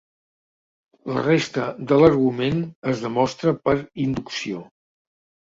La resta de l'argument es demostra per inducció.